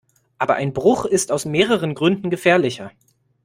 Aber ein Bruch ist aus mehreren Gründen gefährlicher.